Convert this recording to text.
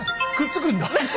くっつくんだ。